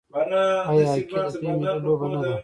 آیا هاکي د دوی ملي لوبه نه ده؟